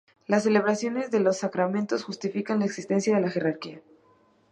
Las celebraciones de los sacramentos justifican la existencia de la jerarquía.